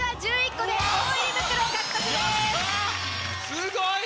すごい！